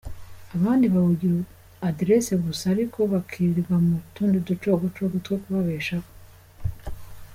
Abandi bawugira adresse gusa ariko bakirirwa mu tundi ducogocogo two kubabeshaho.